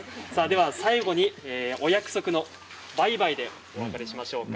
では最後にお約束のバイバイでお別れしましょう。